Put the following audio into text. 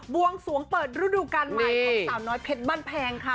วงสวงเปิดฤดูการใหม่ของสาวน้อยเพชรบ้านแพงค่ะ